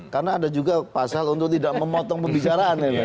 karena ada juga pasal untuk tidak memotong pembicaraan